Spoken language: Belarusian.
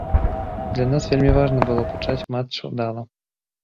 Для нас вельмі важна было пачаць матч удала.